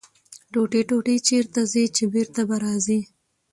ـ ټوټې ټوټې چېرته ځې ،چې بېرته به راځې.